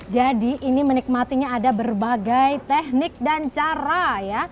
jadi ini menikmatinya ada berbagai teknik dan cara ya